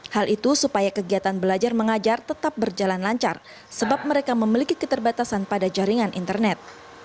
hal itu supaya kegiatan belajar mengajar tetap berjalan lancar sebab mereka memiliki keterbatasan pada jaringan internet